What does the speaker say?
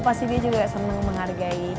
pasti dia juga senang menghargai